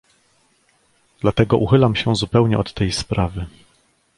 "Dlatego uchylam się zupełnie od tej sprawy."